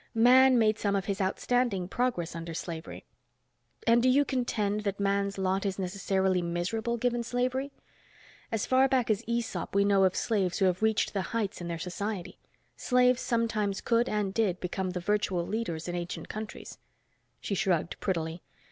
Man made some of his outstanding progress under slavery. And do you contend that man's lot is necessarily miserable given slavery? As far back as Aesop we know of slaves who have reached the heights in their society. Slaves sometimes could and did become the virtual rulers in ancient countries." She shrugged prettily.